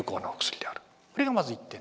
これがまず一点です。